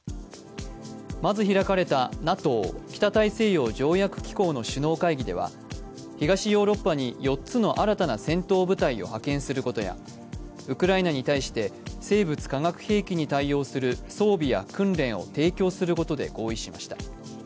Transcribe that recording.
まず開かれたＮＡＴＯ＝北大西洋条約機構の首脳会議では東ヨーロッパに４つの新たな戦闘部隊を派遣することやウクライナに対して生物・化学兵器に対応する装備や訓練を提供することで合意しました。